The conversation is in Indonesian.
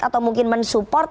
atau mungkin mensupport